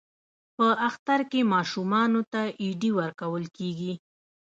په اختر کې ماشومانو ته ایډي ورکول کیږي.